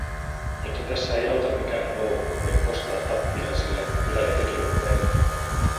Mutta tässä ei auta mikään muu, kuin kostaa tappiaisille, mitä ne tekivät meille.